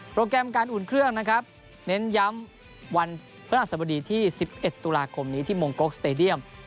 โปรแกรมการอุ่นเครื่องนะครับเน้นย้ำวันพระนักศัพท์บดีที่สิบเอ็ดตุลาคมนี้ที่มงโก๊คสเตดียม